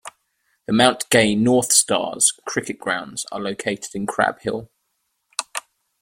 The Mount Gay North Stars cricket grounds are located in Crab Hill.